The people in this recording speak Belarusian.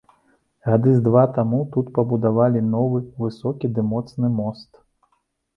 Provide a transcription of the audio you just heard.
Гады з два таму тут пабудавалі новы, высокі ды моцны мост.